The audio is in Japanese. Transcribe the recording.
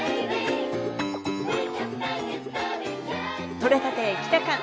「撮れた亭キタカン」